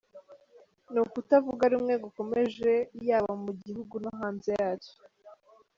Ni ukutavuga rumwe gukomeje yaba mu gihugu no hanze yacyo.